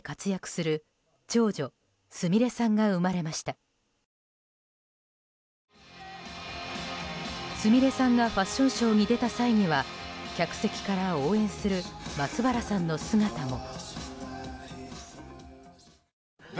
すみれさんがファッションショーに出た際には客席から応援する松原さんの姿も。